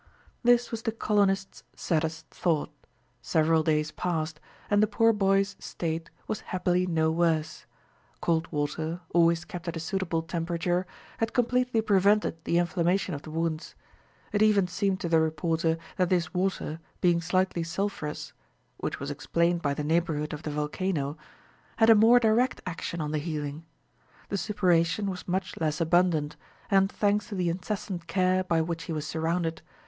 This was the colonists' saddest thought. Several days passed, and the poor boy's state was happily no worse. Cold water, always kept at a suitable temperature, had completely prevented the inflammation of the wounds. It even seemed to the reporter that this water, being slightly sulphurous, which was explained by the neighborhood of the volcano, had a more direct action on the healing. The suppuration was much less abundant, and thanks to the incessant care by which he was surrounded!